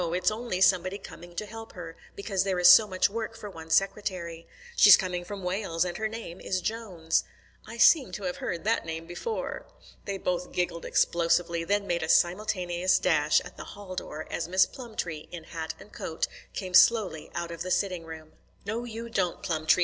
It's only somebody coming to help her, because there is so much work for one secretary. She's coming from Wales, and her name is Jones." "I seem to have heard that name before." They both giggled explosively; then made a simultaneous dash at the hall door as Miss Plumtree, in hat and coat, came slowly out of the sitting room. "No, you don't, Plumtree!